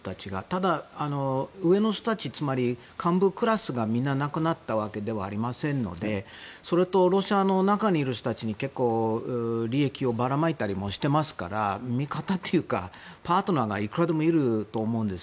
ただ、上の人たち、幹部クラスがみんな亡くなったわけではないのでそれとロシアの中にいる人たちに利益をばらまいたりもしてますから味方というか、パートナーがいくらでもいると思うんです。